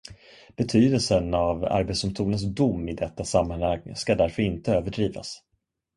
Betydelsen av Arbetsdomstolens dom i detta sammanhang ska därför inte överdrivas.